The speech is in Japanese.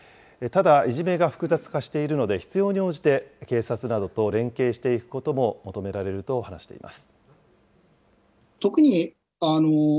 ただ、いじめが複雑化しているので、必要に応じて、警察などと連携していくことも求められると話しています。